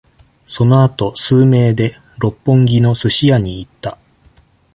そのあと、数名で、六本木のスシ屋に行った。